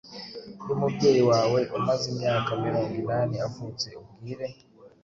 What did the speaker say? yumubyeyi wawe umaze imyaka mirongo inani avutse. Ubwire